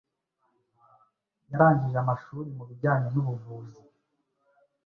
yarangije amashuri mu bijyanyen’ubuvuzi